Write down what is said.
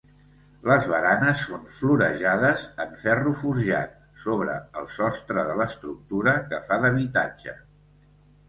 Les baranes són florejades en ferro forjat, sobre el sostre de l'estructura que fa d'habitatge.